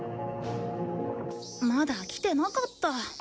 まだ来てなかった。